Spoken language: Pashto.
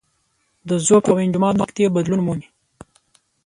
د ذوب او انجماد نقطې بدلون مومي.